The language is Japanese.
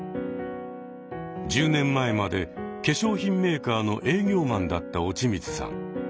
１０年前まで化粧品メーカーの営業マンだった落水さん。